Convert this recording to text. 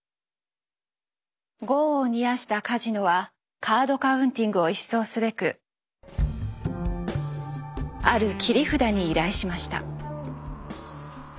業を煮やしたカジノはカード・カウンティングを一掃すべくある切り札に依頼しました。